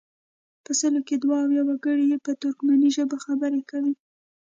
په سلو کې دوه اویا وګړي یې په ترکمني ژبه خبرې کوي.